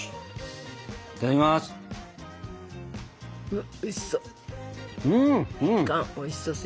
うわおいしそう。